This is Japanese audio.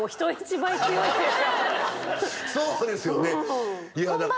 そうですよね。